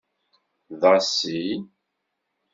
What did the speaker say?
Ḍasi.